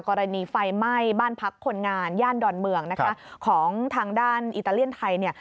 กรณีไฟไหม้บ้านพักคนงานย่านดอนเมืองนะคะของทางด้านอิตาเลียนไทยเนี่ย